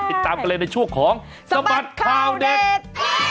ติดตามกันเลยในช่วงของสบัดข่าวเด็ด